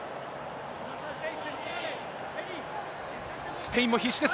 スペインも必死です。